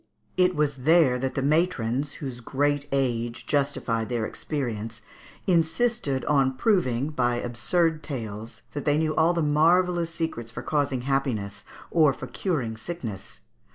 It was there that the matrons, whose great age justified their experience, insisted on proving, by absurd tales, that they knew all the marvellous secrets for causing happiness or for curing sickness.